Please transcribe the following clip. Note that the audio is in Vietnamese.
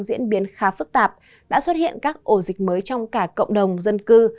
diễn biến khá phức tạp đã xuất hiện các ổ dịch mới trong cả cộng đồng dân cư